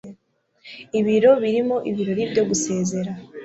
Ibiro birimo ibirori byo gusezera.